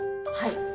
はい。